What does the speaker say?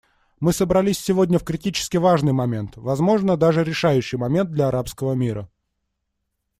Мы собрались сегодня в критически важный момент — возможно, даже решающий момент — для арабского мира.